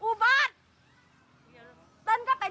เมื่อกี้มันร้องพักเดียวเลย